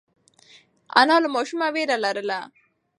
انا له ماشومه وېره لرله.